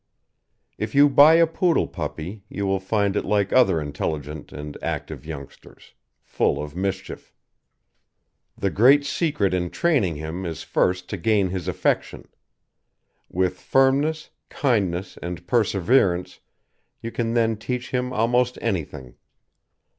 If you buy a Poodle puppy you will find it like other intelligent and active youngsters, full of mischief. The great secret in training him is first to gain his affection. With firmness, kindness, and perseverance, you can then teach him almost anything.